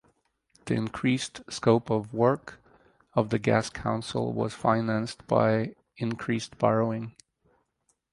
The increased scope of work of the Gas Council was financed by increased borrowing.